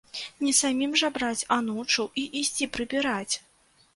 Не самім жа браць анучу і ісці прыбіраць!